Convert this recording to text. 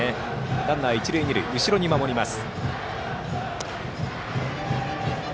ランナー、一塁二塁で後ろに守ります。